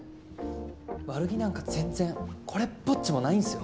悪気なんか全然これっぽっちもないんすよ。